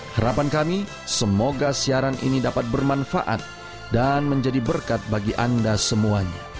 harapan kami semoga siaran ini dapat bermanfaat dan menjadi berkat bagi anda semuanya